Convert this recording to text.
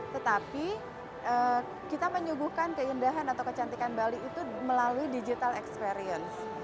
tetapi kita menyuguhkan keindahan atau kecantikan bali itu melalui digital experience